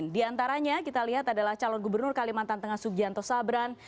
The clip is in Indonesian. di antaranya kita lihat adalah calon gubernur kalimantan tengah sugianto sabran